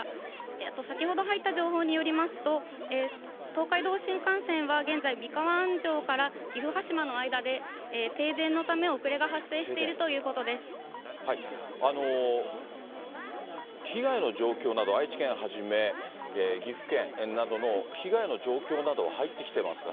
あと先ほど入った情報によりますと、東海道新幹線は現在、三河安城から岐阜羽島の間で停電のため、遅れが発生しているとい被害の状況など、愛知県はじめ、岐阜県などの被害の状況などは入って来てますか？